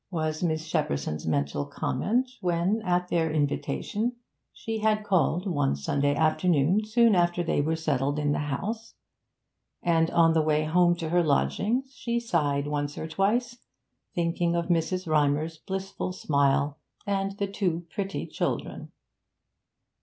was Miss Shepperson's mental comment when, at their invitation, she had called one Sunday afternoon soon after they were settled in the house; and, on the way home to her lodgings, she sighed once or twice, thinking of Mrs. Rymer's blissful smile and the two pretty children.